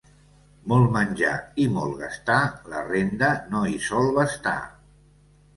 Molt menjar i molt gastar, la renda no hi sol bastar.